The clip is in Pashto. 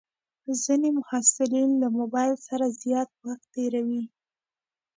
ځینې محصلین له موبایل سره زیات وخت تېروي.